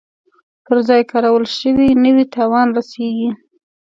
پر ځای کارول شوي نه وي تاوان رسیږي.